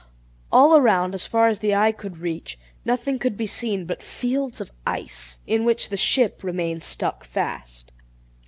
All around, as far as the eye could reach, nothing could be seen but fields of ice, in which the ship remained stuck fast.